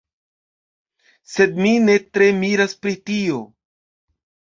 Sed mi ne tre miras pri tio.